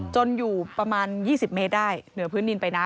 อยู่ประมาณ๒๐เมตรได้เหนือพื้นดินไปนะ